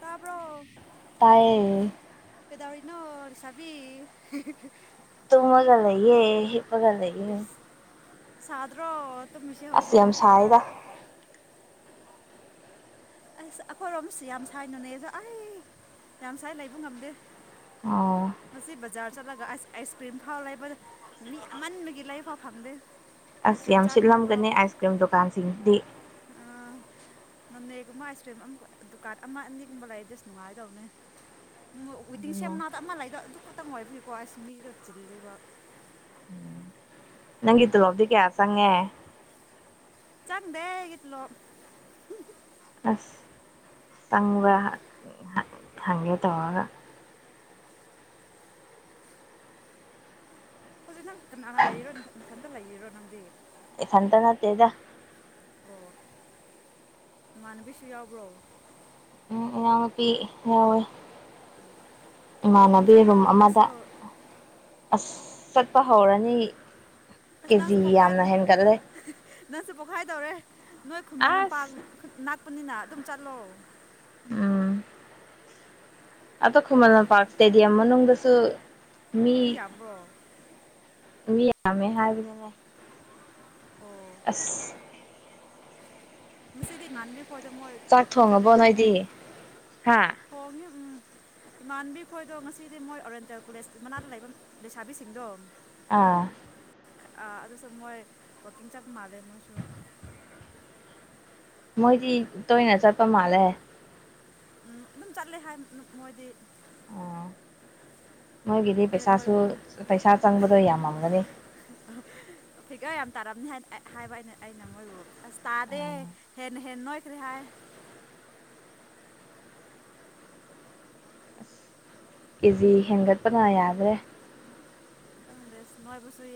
ꯇꯥꯕ꯭ꯔꯣ [inaudible] ꯇꯥꯏꯌꯦ ꯄꯦꯗꯥꯧꯔꯤꯅꯣ ꯍꯔꯤꯁꯕꯤ ꯇ ꯃꯖꯥ ꯂꯩꯌꯦ ꯄꯒ ꯂꯩꯒ ꯏꯁ ꯁꯥꯗ꯭ꯔꯣ ꯃꯤꯁꯤꯦ ꯍꯧꯁꯖꯦꯒ ꯊꯤꯟꯗ ꯁꯥꯏꯗ ꯑꯁ ꯑꯩꯈꯣꯏꯔꯣꯝꯁꯨ ꯌꯥꯝ ꯁꯥꯏꯅꯨꯅꯦꯁꯨ ꯑꯩ ꯌꯥꯝ ꯁꯥꯏ ꯂꯩꯕ ꯉꯝꯗꯦ ꯑꯣ ꯃꯁꯤꯁꯤ ꯖꯥꯔ ꯆꯠꯂꯒ ꯑꯁ ꯑꯥꯏꯁ ꯀ꯭ꯔꯤꯝ ꯐꯥꯎ ꯂꯩꯕꯗ ꯃꯤ ꯑꯃꯟꯕꯒꯤ ꯂꯩꯕ ꯐꯥꯎ ꯐꯪꯗꯦ ꯑꯥꯏꯁ ꯑꯁ ꯀ꯭ꯔꯤꯝ ꯌꯥꯝ ꯆꯥꯅꯤꯡꯉꯥꯏ ꯐꯥꯎ ꯁꯤꯠꯂꯝꯒꯅꯤ ꯑꯥꯏꯁ ꯀ꯭ꯔꯤꯝ ꯗꯨꯀꯥꯟꯁꯤꯡꯗꯤ ꯅꯅ ꯑꯗꯨꯒꯨꯝꯕ ꯑꯥꯏꯁ ꯀ꯭ꯔꯤꯝ ꯑꯃ ꯗꯨꯀꯥꯟ ꯑꯃ ꯑꯅꯤꯒꯨꯝꯕ ꯂꯩ ꯗꯁ ꯅꯨꯡꯉꯥꯏꯗꯧꯅꯤ ꯋꯤꯇꯤꯡ ꯑꯗꯨꯅꯦ ꯁꯦꯝꯅꯥꯗ ꯑꯃ ꯂꯩꯗꯣ ꯑꯗꯨ ꯈꯛꯇꯪ ꯑꯣꯏꯕꯤꯌꯀꯣ ꯑꯁ ꯃꯤꯗꯣ ꯆꯤꯜꯂꯤꯕ ꯅꯪꯒꯤ ꯏꯇ ꯂꯣꯕꯗꯤ ꯀꯌꯥꯁꯪꯉꯦ ꯆꯪꯗ ꯏꯠꯂꯣ ꯑꯁ ꯇꯪꯕ ꯍꯪꯒꯦ ꯇꯧꯔꯒ ꯍꯧꯖꯤꯗ ꯀꯅꯥꯅꯥ ꯂꯩꯔꯣ ꯃꯊꯟꯇ ꯂꯩꯔꯣ ꯉꯪꯗꯦ ꯁꯟꯇ ꯅꯠꯇꯦꯗ ꯑꯣ ꯏꯃꯥꯟꯅꯕꯤꯁꯨ ꯌꯥꯎꯕ꯭ꯔꯣ ꯏꯅꯥꯎ ꯅꯨꯄꯤ ꯌꯥꯎꯋꯦ ꯋꯥꯛꯀꯤꯡ ꯏꯃꯥꯟꯅꯕꯤ ꯔꯨꯝ ꯆꯠꯂꯣ ꯑꯃꯗ ꯅꯣꯏꯁꯨ ꯑꯁ ꯆꯠꯄ ꯍꯧꯔꯅꯤ ꯑꯁ ꯀꯦꯖꯤ ꯅꯪꯁꯨ ꯄꯣꯛꯈꯥꯏ ꯌꯥꯝꯅ ꯍꯦꯟꯒꯠꯂꯦ ꯅꯪꯁꯨ ꯄꯣꯛꯈꯥꯏ ꯇꯧꯔꯦ ꯅꯣꯏ ꯈꯨꯃꯟ ꯂꯝꯄꯥꯛ ꯑꯁ ꯂꯄꯅꯤꯅ ꯑꯗꯨꯝ ꯆꯠꯂꯣ ꯎꯝ ꯑꯇꯣ ꯈꯃꯅ ꯅꯣꯏ ꯄꯥꯛꯇꯗꯗꯤ ꯑꯃꯪ ꯁ ꯃꯤ ꯌꯥꯝꯕ꯭ꯔꯣ ꯏ ꯌꯥꯝꯃꯦ ꯍꯥꯏꯕꯅꯤꯅꯦ ꯑꯣ ꯑꯁ ꯉꯁꯤꯗꯤ ꯏꯃꯥꯟꯕꯤ ꯈꯣꯏꯗ ꯃꯣꯏ ꯆꯥꯛ ꯋꯥꯛꯀꯤꯡ ꯆꯠꯂꯦ ꯊꯣꯡꯉꯕꯣ ꯍꯥꯏ ꯑꯩ ꯅꯣꯏꯗꯤ ꯍꯥ ꯊꯣꯡꯉꯤ ꯏꯃꯥꯟꯕꯤ ꯈꯣꯏꯗꯣ ꯉꯁꯤꯗꯤ ꯃꯣꯏ ꯑꯣꯔꯦꯟꯇꯦꯜ ꯀꯣꯂꯦꯖ ꯃꯅꯥꯛꯇ ꯂꯩꯕ ꯂꯩꯁꯥꯕꯤꯁꯤꯡꯗꯣ ꯑꯥ ꯑꯗꯨꯁꯨ ꯃꯣꯏ ꯋꯀꯤꯡ ꯆꯞ ꯃꯥꯜꯂꯦ ꯃꯣꯏꯁꯨ ꯃꯣꯏꯗꯤ ꯇꯣꯏꯅ ꯆꯠꯄ ꯃꯥꯜꯂꯦ ꯑꯗꯨꯝ ꯆꯠꯂꯦ ꯍꯥꯏ ꯃꯣꯏꯗꯤ ꯑꯣ ꯃꯣꯏꯒꯤꯗꯤ ꯑꯩꯅ ꯄꯩꯁꯥꯁꯨ ꯃꯣꯏꯕꯨ ꯄꯩꯁꯥ ꯆꯪꯕꯗꯣ ꯌꯥꯝꯃꯝꯒꯅꯤ ꯏ ꯌꯥꯝ ꯇꯥꯔꯝꯅꯤ ꯍꯥꯏꯅ ꯍꯥꯏꯕ ꯑꯩꯅ ꯑꯩꯅ ꯃꯣꯏꯕꯨ ꯑꯁ ꯇꯥꯗꯦ ꯑꯥ ꯍꯟꯅ ꯍꯦꯟꯅꯣ ꯔ ꯑꯁ ꯀꯦꯖꯤ ꯍꯦꯟꯒꯠꯄꯅ ꯌꯥꯗ꯭ꯔꯦ ꯪꯗ꯭ꯔꯦ ꯅꯣꯏꯕꯨꯁꯨꯏ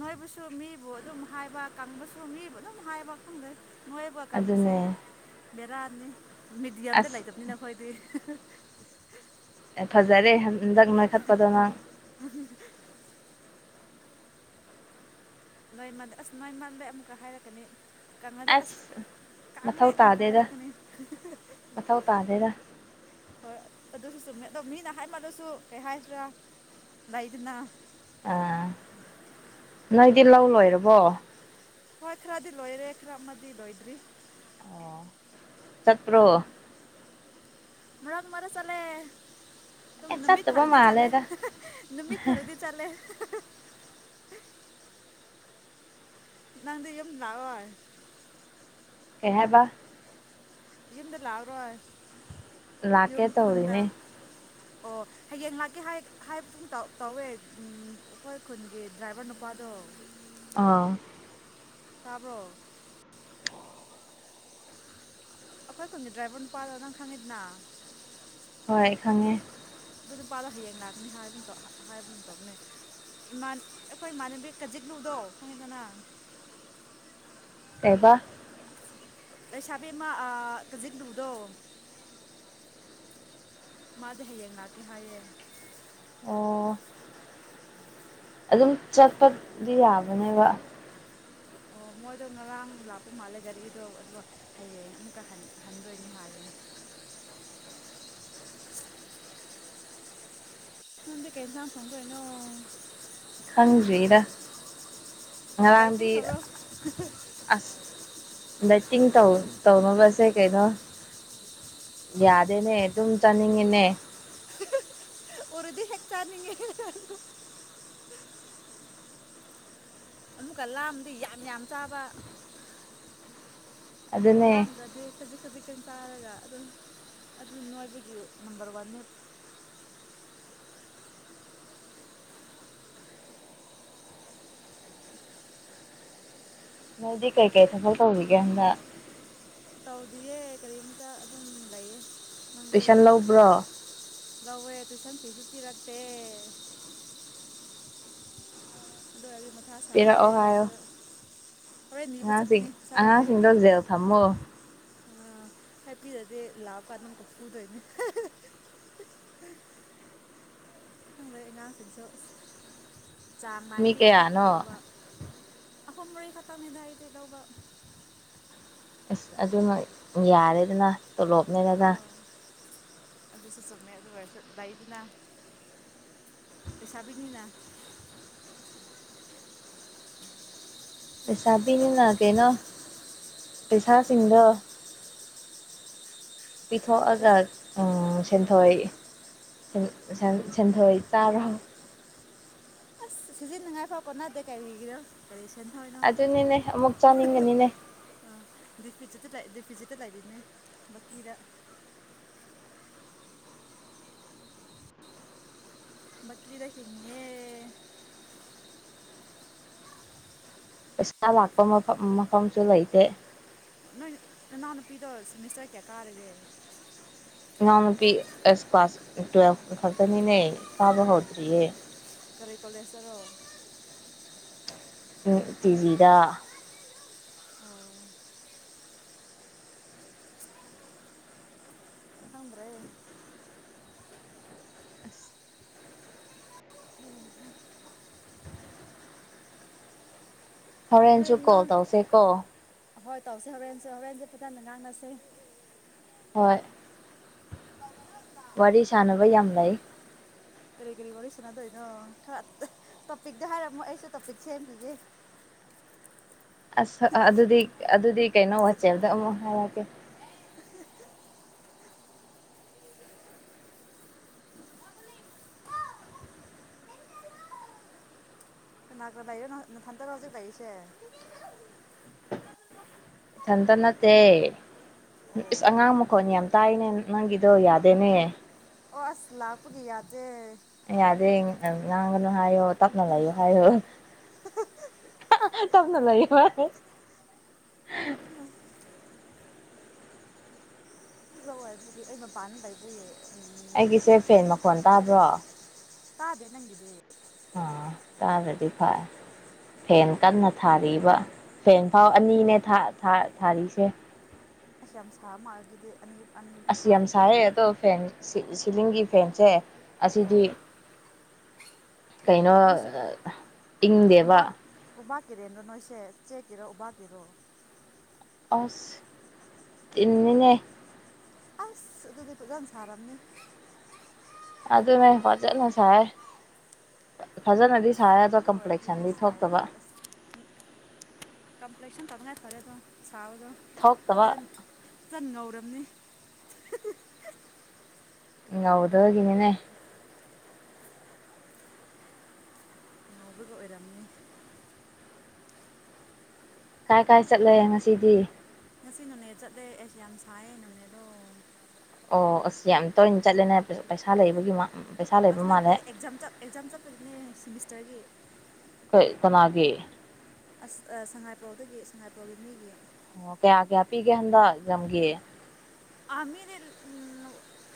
ꯅꯣꯏꯕꯨꯁꯨ ꯃꯤꯕꯨ ꯑꯗꯨꯝ ꯍꯥꯏꯕ ꯀꯪꯕꯁꯨ ꯃꯤꯕꯨ ꯑꯗꯨꯝ ꯍꯥꯏꯕ ꯈꯪꯗ꯭ꯔꯦ ꯅꯣꯏꯕꯨ ꯀꯥꯡꯕꯨꯁꯦ ꯑꯗꯨꯅꯦ ꯕꯦꯔꯥꯅꯤ ꯃꯤꯦꯗꯤꯌꯝꯗ ꯑꯁ ꯂꯩꯇꯕꯅꯤꯅ ꯑꯩꯈꯣꯏꯗꯤ ꯑꯦ ꯐꯖ ꯐꯖꯔꯦ ꯍꯟꯗꯛ ꯅꯣꯏꯈꯠꯄꯗꯣ ꯅꯪ ꯅꯣꯏꯃꯜꯗ ꯑꯁ ꯅꯣꯏꯃꯜꯗ ꯑꯃꯨꯛꯀ ꯍꯥꯏꯔꯛꯀꯅꯤ ꯀꯪꯉꯗꯤ ꯑꯁ ꯃꯊꯧ ꯀꯪꯉꯦ ꯑꯃꯨꯛꯀ ꯇꯥꯗꯦꯗ ꯍꯥꯏꯔꯛꯀꯅꯤ ꯃꯊꯧ ꯇꯥꯗꯦꯗ ꯍꯣꯏ ꯑꯗꯨꯁꯨ ꯆꯨꯝꯃꯤ ꯑ ꯃꯤꯅ ꯍꯥꯏꯃꯜꯂꯁꯨ ꯀꯩ ꯍꯥꯏꯁꯤ꯭ꯔꯥ ꯂꯩꯗꯨꯅ ꯑꯥ ꯅꯣꯏꯗꯤ ꯂꯧ ꯂꯣꯏꯔꯕꯣ ꯈꯔꯞ ꯑꯃꯗꯤꯗꯤ ꯂꯣꯏꯗ꯭ꯔꯤ ꯑꯣ ꯆꯠꯇ꯭ꯔꯣ ꯃꯥꯡ ꯃꯔꯔꯁ ꯑꯂꯦ ꯇ ꯑꯦ ꯅꯨꯃꯤꯠ ꯆꯠꯇꯕ ꯐꯔꯨꯗꯤ ꯆꯂꯦ ꯃꯥꯜꯂꯦꯗ ꯅꯨꯃꯤꯠ ꯐꯔꯨꯗꯤ ꯆꯂꯦ ꯅꯪꯗꯤꯝ ꯂꯥꯛꯑꯣꯏ ꯑꯦꯍꯦꯕ ꯌꯨꯝꯗ ꯂꯥꯛꯔꯣꯏ ꯂꯥꯛꯀꯦ ꯇꯧꯔꯤꯅꯦ ꯑꯣ ꯍꯌꯦꯡ ꯂꯥꯛꯀꯦ ꯍꯥꯏꯕ ꯇꯧꯋꯦ ꯑꯩꯈꯣꯏ ꯈꯨꯟꯒꯤ ꯗ꯭ꯔꯥꯏꯚꯔ ꯅꯨꯄꯥꯗꯣ ꯑꯥ ꯇꯥꯕꯣ ꯑꯩꯈꯣꯏ ꯈꯨꯟꯒꯤ ꯗ꯭ꯔꯥꯏꯚꯔ ꯅꯨꯄꯥꯗꯣ ꯅꯪ ꯈꯪꯉꯤꯗꯅ ꯍꯣꯏ ꯈꯪꯉꯦ ꯑꯗꯨ ꯅꯨꯄꯥꯗꯣ ꯍꯌꯦꯡ ꯂꯥꯛꯀꯅꯤ ꯍꯥꯏꯕꯇꯣꯅꯦ ꯑꯩꯈꯣꯏ ꯏꯃꯥꯟꯅꯕꯤ ꯀꯖꯤꯛꯂꯨꯗꯣ ꯈꯪꯉꯦꯗ ꯅꯥ ꯀꯩꯕ ꯂꯩꯁꯥꯕꯤ ꯑꯃ ꯀꯖꯤꯛꯂꯨ ꯗꯣ ꯃꯥꯁꯦ ꯍꯌꯦꯡ ꯂꯥꯛꯀꯅꯔ ꯍꯥꯏꯌꯦꯦ ꯑꯣ ꯑꯗꯨꯝ ꯆꯠꯄꯗꯤ ꯌꯥꯕꯅꯦꯕ ꯑꯣ ꯃꯣꯏꯗꯣ ꯉꯔꯥꯡ ꯂꯥꯛꯄ ꯃꯥꯜꯂꯦ ꯒꯥꯔꯤꯗꯣ ꯑꯗꯨꯒ ꯍꯌꯦꯡ ꯑꯃꯨꯛꯀ ꯍꯟꯗꯣꯏꯅꯤ ꯍꯥꯏꯌꯦ ꯅꯪꯗ ꯀꯩꯏꯟꯁꯥꯡ ꯊꯣꯡꯗꯣꯏꯅꯣ ꯈꯪꯗꯔꯤꯗ ꯗꯥꯏꯇꯤꯡ ꯉꯔꯥꯡꯗꯤ ꯇꯧꯔꯣ ꯑꯁ ꯠꯇꯤꯡ [unintelligible] ꯇꯧꯅꯕꯁꯦ ꯀꯩꯅꯣ ꯌꯥꯗꯦꯅꯦ ꯑꯗꯨꯝ ꯆꯥꯅꯤꯡꯉꯤꯅꯦ ꯎꯔꯗꯤꯗꯤ ꯍꯦꯛ ꯆꯥꯅꯤꯡꯉꯦ ꯑꯃꯨꯛꯀ ꯂꯥꯝꯕꯗꯤ ꯌꯥꯝ ꯌꯥꯝ ꯆꯥꯕ ꯑꯗꯨꯅꯦ ꯂꯝꯗꯔꯗꯤ ꯈꯥꯖꯤꯛ ꯈꯥꯖꯤꯛ ꯆꯥꯔꯒ ꯑꯗꯨꯝ ꯑꯗꯨ ꯅꯣꯏꯕꯒꯤ ꯅꯝꯕꯔ ꯋꯥꯟꯅꯦ ꯅꯣꯏꯗꯤ ꯀꯩꯀꯩ ꯊꯕꯛ ꯇꯧꯔꯤꯒꯦ ꯍꯟꯗꯛ ꯇꯧꯗꯤꯌꯦ ꯀꯔꯤꯝꯇ ꯑꯗꯨꯝ ꯂꯩꯌꯦ ꯅꯪꯗꯤ ꯇꯨꯏꯁꯟ ꯂꯧꯕ꯭ꯔꯣ ꯂꯎꯋꯦ ꯑꯗꯨꯨ ꯁꯥꯟꯇ ꯅꯨꯄꯤꯔꯛꯇꯦ ꯑꯗꯣ ꯍꯥꯏꯒ ꯄꯤꯔꯛꯑꯣ ꯍꯥꯏꯣ ꯍꯣꯔꯦꯟ ꯅꯤꯕ ꯑꯉꯥꯡꯁꯤꯡ ꯆꯠꯀꯅꯤ ꯄꯩꯁꯥ ꯑꯉꯥꯡꯁꯤꯡꯗꯣ ꯖꯦꯜ ꯊꯝꯃꯣ ꯄꯩꯁꯥ ꯄꯤꯗꯔꯗꯤ ꯂꯥꯛꯑ ꯀꯥꯟꯗ ꯑꯃꯨꯀꯛ ꯐꯨꯗꯣꯏꯅꯦ ꯂꯣꯏ ꯉꯁꯤꯖ ꯆꯥꯡ ꯅꯥꯏꯅ ꯃꯤ ꯄꯤꯗ ꯈꯔ ꯀꯌꯥꯅꯣ ꯐꯗꯧꯕ ꯑꯍꯨꯝ ꯃꯔꯤ ꯈꯛꯇꯅꯤꯗꯏꯗꯤ ꯇꯧꯕ ꯑꯁ ꯑꯗꯨꯅ ꯌꯥꯔꯦꯗꯅ ꯇꯣꯂꯣꯞꯅꯤꯗꯅ ꯑꯗꯨ ꯑꯗꯨ ꯁꯨꯆꯨꯝꯃꯦ ꯑꯣꯏꯔꯁꯨ ꯂꯩꯗꯅ ꯂꯩꯁꯥꯕꯤꯁꯤꯡꯅ ꯂꯩꯁꯥꯕꯤꯅꯤꯅ ꯀꯩꯅꯣ ꯄꯩꯁꯥꯁꯤꯡꯗꯣ ꯄꯤꯊꯣꯛꯑꯒ ꯂꯩꯁꯥ ꯀꯩꯅꯣ ꯁꯦꯟꯗꯣꯏ ꯁꯤꯟꯗꯣꯏ ꯆꯥꯔꯣ ꯑꯁ ꯁꯤꯖꯤꯟꯅꯉꯥꯏꯐꯥꯎ ꯀꯣꯟꯅꯗꯦ ꯀꯔꯤꯒꯤꯅꯣ ꯀꯔꯤ ꯁꯤꯟꯗꯣꯏꯗꯣ ꯑꯗꯨꯅꯤꯅꯦ ꯑꯃꯨꯛ ꯆꯥꯅꯤꯡꯒꯅꯤꯅꯦ [unintelligible] ꯐꯤꯖꯤꯠꯇ ꯂꯥꯛꯗꯣꯏꯅꯦ ꯕꯀꯤꯗ ꯀꯏꯗ ꯏꯅꯦ ꯄꯩꯁꯥ ꯂꯥꯛꯄ ꯃꯐꯝ ꯃꯐꯝꯁꯨ ꯂꯩꯇꯦ ꯅꯣꯏ ꯅꯅꯥꯎ ꯅꯨꯨꯄꯤꯗꯣ ꯁꯤꯃꯤꯁꯇꯔ ꯀꯌꯥ ꯀꯥꯔꯒꯦ ꯏꯅꯥꯎꯅꯨꯄꯤ ꯑꯁ ꯀ꯭ꯂꯥꯁ ꯇꯨꯋꯦꯜꯐ ꯈꯛꯇꯅꯤꯅꯦ ꯀꯥꯕ ꯍꯧꯗ꯭ꯔꯤꯌꯦ ꯀꯔꯤ ꯀꯣꯂꯦꯖꯇꯔꯣ ꯎꯝ ꯇꯤꯖꯤꯗꯥ ꯑꯣ ꯍꯟ꯭ꯔꯦ ꯑꯁ ꯎꯝ ꯍꯝ ꯅꯣꯏ ꯍꯣꯔꯦꯟꯁꯨ ꯀꯣꯜ ꯅꯅꯥꯎ ꯇꯧꯁꯦ ꯀꯣ ꯍꯣꯏ ꯇꯧꯁ ꯍꯣꯔꯦꯟꯁꯦ ꯍꯣꯔꯦꯟꯁꯦ ꯐꯊꯟꯅ ꯉꯥꯡꯅꯁꯤ ꯍꯣꯏ ꯋꯥꯔꯤ ꯁꯥꯟꯅꯕ ꯌꯥꯝ ꯂꯩ ꯀꯔꯤ ꯀꯔꯤ ꯋꯥꯔꯤ ꯁꯥꯟꯅꯗꯣꯏꯅꯣ ꯈꯔ ꯇꯣꯄꯤꯛꯇ ꯍꯥꯏꯔꯝꯃꯣ ꯑꯩꯁꯨ ꯇꯣꯄꯤꯛꯁꯕꯤꯒꯦ ꯑꯁ ꯑꯗꯨꯗꯤ ꯑꯗꯨꯗꯤ ꯀꯩꯅꯣ ꯋꯥꯆꯦꯜꯗ ꯑꯃꯨꯛ ꯍꯥꯏꯔꯛꯒꯦ ꯀꯅꯥ ꯀꯅꯥꯏꯔꯣ ꯅꯊꯟꯗꯔ ꯍꯧꯖꯤꯛ ꯂꯥꯛꯔꯤꯁꯦ ꯏꯊꯟꯇ ꯅꯠꯇꯦ ꯏꯁꯁ ꯑꯉꯥꯡ ꯃꯈꯣꯟ ꯌꯥꯝ ꯇꯥꯏꯅꯦ ꯅꯪꯒꯤꯗꯣ ꯌꯥꯗꯦꯅꯦ ꯑꯣ ꯑꯁ ꯂꯥꯛꯄꯒꯤ ꯑꯖ ꯌꯥꯗꯦ ꯉꯥꯡꯒꯅꯨ ꯍꯥꯏꯌꯣ ꯇꯞꯅ ꯂꯩꯥꯛꯌꯣ ꯍꯥꯏꯌꯣ ꯇꯞꯅ ꯂꯌꯣ ꯍ ꯎꯝ ꯜꯂ ꯍꯥꯏꯖꯒ ꯑꯩ ꯃꯄꯥꯟꯗ ꯂꯩꯖꯩꯑꯌꯦ ꯑꯩꯒꯤꯁꯦ ꯐꯦꯟ ꯃꯈꯣꯟ ꯇꯥꯕ꯭ꯔꯣ ꯇꯥꯗꯦ ꯅꯪꯗ ꯑ ꯇꯥꯔ꯭ꯔꯗꯤ ꯐꯔ ꯐꯦꯟ ꯀꯟꯅ ꯊꯥꯔꯤꯕ ꯐꯦꯟ ꯐꯥꯎ ꯑꯅꯤꯅꯦ ꯊꯥꯔꯤꯁꯦ ꯑꯁ ꯌꯥꯝ ꯁꯥꯕ ꯃꯥꯜꯂꯦ ꯑꯗꯨꯗꯤ ꯑꯅꯤ ꯑꯅꯤ ꯑꯁꯤ ꯊꯥꯔꯗꯤ ꯌꯥꯝꯁꯥꯔꯦꯣ ꯐ ꯁꯤ ꯁꯤꯂꯤꯡꯒꯤ ꯐꯦꯟꯁꯦ ꯑꯣ ꯑꯁꯤꯗꯤ ꯀꯩꯅꯣ ꯅꯣꯏꯁꯦ ꯏꯪꯗꯦꯕ ꯎꯕꯥꯛ ꯎꯕꯥꯛ ꯀꯦꯔꯦꯟꯗ꯭ꯔꯣ ꯅꯣꯏꯁꯦ ꯆꯦ ꯀꯔꯣ ꯎꯕ ꯀꯔꯣ ꯑꯁ ꯏꯅꯦ ꯑꯁ ꯑꯗꯨꯗꯤꯒꯥꯟ ꯁꯥꯔꯝꯅꯤ ꯑꯗꯨꯅꯦ ꯐꯖꯅ ꯁꯥꯏ ꯐꯖꯅꯗꯤ ꯁꯥꯏ ꯑꯗꯣ ꯑꯗꯨ ꯑꯣꯏꯕꯒꯤꯅꯦ ꯀꯝꯄ꯭ꯂꯦꯛꯁꯟꯗꯤ ꯁꯗ ꯊꯣꯛꯇꯕ ꯑ ꯀꯝꯄ꯭ꯂꯦꯛꯁꯟ ꯇꯧ ꯐꯔꯦꯗꯣ ꯁꯥꯕꯗꯣ ꯊꯣꯛꯇꯕ ꯐꯖꯅ ꯐꯆꯟ ꯉꯧꯔꯝꯅꯤ ꯉꯥꯎꯗꯕꯒꯤꯅꯤꯅꯦ ꯉꯥꯎꯕꯒ ꯑꯣꯏꯔꯝꯅꯤ ꯀꯥꯏ ꯀꯥꯏ ꯆꯠꯂꯦ ꯉꯁꯤꯗꯤ ꯉꯁꯤ ꯅꯣꯅꯦ ꯆꯠꯂꯦ ꯑꯦꯁ ꯌꯥꯝ ꯁꯥꯏꯌꯦ ꯅꯣꯅꯦꯗꯣ ꯑꯣ ꯑꯁ ꯌꯥꯝ ꯇꯣꯏꯅ ꯆꯠꯂꯦꯅꯦ ꯄꯩꯁꯥ ꯂꯩꯕꯒꯤ ꯄꯩꯁꯥ ꯂꯩꯕ ꯑꯁꯅꯥ ꯃꯥꯜꯂꯦ ꯑꯦꯛꯖꯝ ꯑꯦꯛꯖꯥꯝ ꯇꯒꯤ ꯀꯣꯏ ꯀꯅꯥꯒꯤꯦ ꯑꯁ ꯁꯉꯥꯏꯄ꯭ꯔꯧꯗꯒꯤ ꯁꯉꯥꯏꯄ꯭ꯔꯧꯒꯤ ꯃꯤꯒꯤ ꯑꯣ ꯀꯌꯥ ꯀꯌꯥ ꯄꯤꯒꯦ ꯍꯟꯗꯛ ꯂꯝꯝꯒꯦ ꯑꯥ ꯃꯤꯗꯤ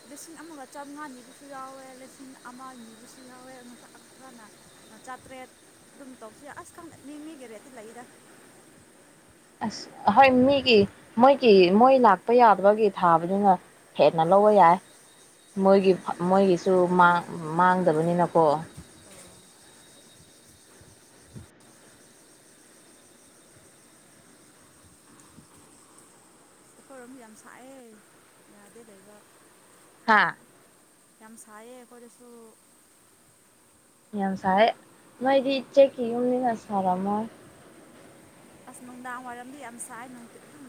ꯂꯤꯁꯤꯡ ꯑꯃꯒ ꯆꯥꯃꯉꯥꯅꯤꯕꯨꯁꯨ ꯌꯥꯎꯋꯦ ꯂꯤꯁꯤꯡ ꯑꯃ ꯅꯤꯕꯨꯁꯨ ꯌꯥꯎꯋꯦ ꯉꯁ ꯈ ꯈꯅ ꯆꯥꯇ꯭ꯔꯦꯠ ꯑꯗꯨꯝ ꯇꯧꯕꯁꯨ ꯌꯥꯏ ꯑꯁ ꯈꯪꯅꯤꯃꯤꯒꯤ ꯔꯦꯠꯇ ꯂꯩꯗ ꯑꯁ ꯍꯣꯏ ꯃꯤꯒꯤ ꯃꯣꯏꯒꯤ ꯃꯣꯏ ꯂꯥꯛꯄ ꯌꯥꯗꯕꯒꯤ ꯊꯥꯕꯗꯨꯅ ꯍꯦꯟꯅ ꯂꯧꯕ ꯑꯥ ꯌꯥꯏ ꯃꯣꯏꯒꯤ ꯃꯣꯏꯒꯤꯁꯨ ꯃꯥꯡꯗꯕꯅꯤꯅꯀꯣ ꯑꯣ ꯑꯩꯈꯣꯏꯔꯣꯝꯁꯨ ꯌꯥꯝ ꯁꯥꯛꯑꯦ ꯌꯥꯗꯦ ꯂꯩꯕ ꯑꯥ ꯌꯥꯝ ꯁꯥꯏꯌꯦ ꯑꯩꯈꯣꯏꯗꯁꯨ ꯌꯥꯝ ꯁꯥꯔꯦ ꯃꯣꯏꯗꯤ ꯏꯆꯦ ꯀ ꯌꯨꯝꯅꯤꯅ ꯁꯥꯔꯝꯃꯣꯏ ꯑꯁ ꯅꯨꯡꯗꯥꯡ ꯋꯥꯏꯔꯝꯗꯤ ꯌꯥꯝ ꯁꯥꯏꯅꯨꯡꯤ ꯑꯗꯨꯝ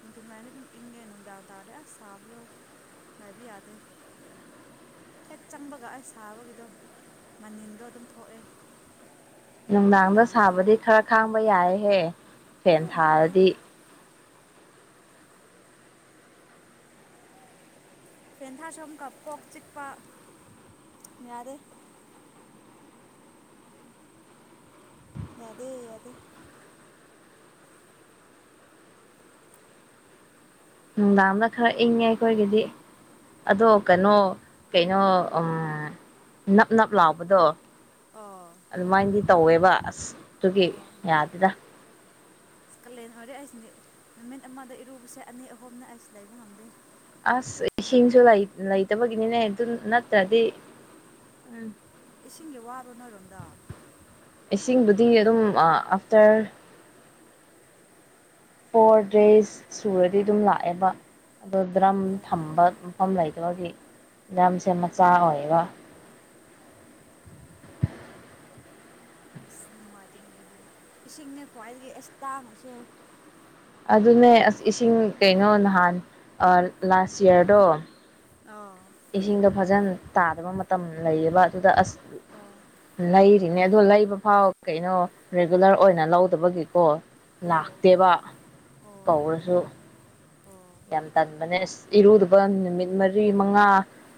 ꯅꯨꯡꯊꯤꯜ ꯋꯥꯏꯔꯝꯗꯤ ꯑꯗꯨꯝ ꯏꯪꯉꯦ ꯅꯨꯡꯗꯥꯡ ꯇꯥꯔꯗꯤ ꯑꯁ ꯁꯥꯕꯗꯣ ꯉꯥꯏꯕ ꯌꯥꯗꯦ ꯍꯦꯛ ꯆꯪꯕꯒ ꯑꯩ ꯁꯥꯕꯒꯤꯗꯣ ꯃꯅꯤꯟꯗꯣ ꯑꯗꯨꯝ ꯊꯣꯛꯑꯦ ꯅꯨꯡꯗꯥꯡꯗ ꯅꯨꯡꯗꯥꯡꯗꯗꯤ ꯁꯥꯕꯗꯤ ꯈꯔ ꯈꯥꯡꯕ ꯌꯥꯏ ꯍꯦ ꯐꯦꯟ ꯑꯩ ꯉꯝꯗꯦ ꯊꯥꯔꯗꯤ ꯐꯦꯟ ꯊꯥꯥꯁꯝ ꯀꯞ ꯀꯣꯛꯣꯛ ꯆꯤꯛꯄ ꯌꯥꯔꯦ ꯑꯗꯦ ꯑꯗꯦ ꯅꯨꯡꯗꯥꯡꯡꯅ ꯈꯔ ꯏꯪꯉꯦ ꯑꯩꯈꯣꯏꯒꯤꯗꯤ ꯑꯗꯣ ꯀꯩꯅꯣ ꯀꯩꯅꯣ ꯅꯞ ꯅꯞ ꯂꯥꯎꯕꯗꯣ ꯑꯣ ꯑꯗꯨꯃꯥꯏꯅꯗꯤ ꯇꯧꯋꯦ ꯋꯥꯁ ꯑꯗꯨꯒꯤ ꯑꯣ ꯌꯥꯗꯦꯗ ꯀꯥꯂꯦꯟ ꯑꯣꯏꯔꯦ ꯑꯩꯁ ꯅꯨꯃꯤꯠ ꯑꯃꯗ ꯏꯔꯨꯕꯁꯦ ꯑꯅꯤ ꯑꯍꯨꯝꯅ ꯑꯩꯁ ꯂꯩꯕ ꯉꯝꯗꯦ ꯑꯁ ꯏꯁꯤꯡꯁꯨ ꯂꯩꯇꯕꯒꯤꯅꯤꯅꯦ ꯑꯗꯨ ꯅꯠꯇ꯭ꯔꯗꯤ ꯎꯝ ꯏꯁꯤꯡꯒꯤ ꯋꯥꯕ ꯅꯣꯏꯔꯣꯝꯗ ꯏꯁꯤꯡꯕꯨꯗꯤ ꯑꯗꯨꯝ ꯑꯥꯐꯇꯔ ꯐꯣꯔ ꯗꯦꯖ ꯁꯨꯔꯗꯤ ꯑꯗꯨꯝ ꯂꯥꯛꯑꯦꯕ ꯑꯗꯣ ꯗ꯭ꯔꯝ ꯑꯣ ꯊꯝꯕ ꯃꯐꯝ ꯂꯩꯇ ꯑꯗꯨꯒꯤ ꯂꯝꯁꯦ ꯃꯆꯥ ꯑꯣꯏꯌꯦꯕ ꯅꯨꯡꯉꯥꯏꯇꯅꯦ ꯑꯗꯨꯗꯤ ꯏꯁꯤꯡꯅꯦ ꯈ꯭ꯋꯥꯏꯗꯒꯤ ꯑꯁ ꯇꯥꯡꯉꯁꯦ ꯑꯗꯨꯅꯦ ꯑꯁ ꯏꯁꯤꯡ ꯀꯩꯅꯣ ꯅꯍꯥꯟ ꯂꯥꯁ ꯌꯔꯗꯣ ꯑꯣ ꯏꯁꯤꯡꯗꯣ ꯐꯖꯅ ꯇꯥꯗꯕ ꯃꯇꯝ ꯂꯩꯌꯦꯕ ꯑꯗꯨꯗ ꯑꯁ ꯑꯣ ꯂꯩꯔꯤ ꯑꯗꯨꯣ ꯂꯩꯕ ꯐꯥꯎ ꯀꯩꯅꯣ ꯔꯤꯒꯨꯂꯔ ꯑꯣꯏꯅ ꯂꯧꯗꯕꯒꯤꯀꯣ ꯑꯣ ꯂꯥꯛꯇꯦꯕ ꯑꯣ ꯀꯧꯔꯁꯨ ꯑꯣ ꯌꯥꯝ ꯇꯟꯕꯅꯦ ꯑꯁ ꯏꯔꯨꯗꯕ ꯅꯨꯃꯤꯠ ꯃꯔꯤ ꯃꯉꯥ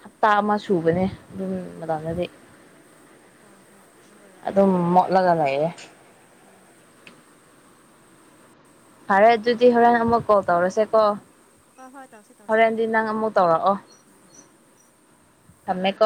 ꯍꯞꯇꯥ ꯑꯃ ꯁꯨꯕꯅꯦ ꯑꯗꯨꯝ ꯃꯇꯝꯗꯗꯤ ꯍꯣꯏ ꯍꯣꯏ ꯑꯗꯨ ꯑꯣꯏꯔꯝꯅꯤ ꯑꯗꯨꯗꯝ ꯃꯠ ꯂꯥꯛ ꯂꯦ ꯑꯣ ꯐꯔꯦ ꯑꯗꯨꯗꯤ ꯍꯣꯔꯦꯟ ꯑꯃꯨꯛ ꯀꯣꯜ ꯇꯧꯔꯁꯦ ꯀꯣ ꯍꯣꯏ ꯍꯣꯏ ꯇꯧꯁꯤ ꯇꯧꯁꯤ ꯎꯝ ꯍꯣꯔꯦꯟꯗꯤ ꯅꯪ ꯑꯃꯨꯛ ꯇꯧꯔꯛꯑꯣ ꯎꯝ ꯊꯃꯦꯀꯣ